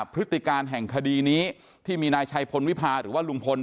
พฤติการแห่งคดีนี้ที่มีนายชัยพลวิพาหรือว่าลุงพล